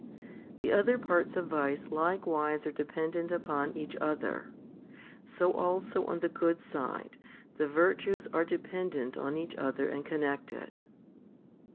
The other parts of vice likewise are dependent upon each other ; so also on the good side the virtues are dependent on each other and connected.